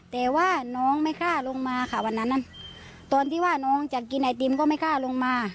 แต่ว่าน้องไม่กล้าลงมาค่ะวันนั้นตอนที่ว่าน้องจะกินไอติมก็ไม่กล้าลงมา